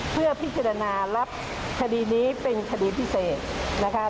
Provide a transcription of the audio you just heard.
เพื่อพิจารณารับคดีนี้เป็นคดีพิเศษนะคะ